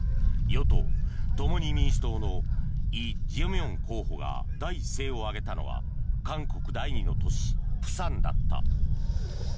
与党・共に民主党のイ・ジェミョン候補が第一声を上げたのは韓国第２の都市・釜山だった。